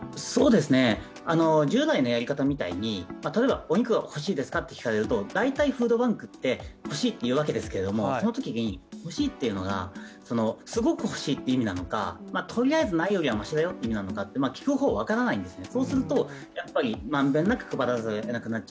従来のやり方みたいに、例えばお肉が欲しいですかって聞かれると大体フードバンクってほしいって言うわけですけれども、そのときに、欲しいっていうのがすごく欲しいって意味なのかとりあえずないよりはマシだよって意味なのかって聞く方わからないんですね。